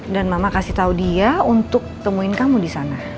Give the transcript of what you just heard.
dan mama kasih tau dia untuk temuin kamu disana